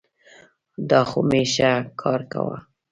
دا خو مي ښه کار کاوه.